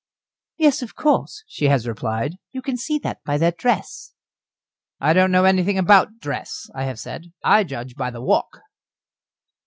"Yes, of course," she has replied; "you can see that by their dress." "I don't know anything about dress," I have said; "I judge by the walk."